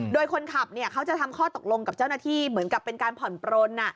โดยคนขับเขาจะทำข้อตกลงกับเจ้าหน้าที่เหมือนกับเป็นการผ่อนปลน